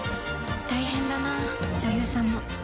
大変だなあ女優さんも